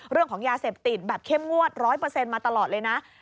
เรื่องของยาเสพติดแบบเข้มงวด๑๐๐มาตลอดเลยนะ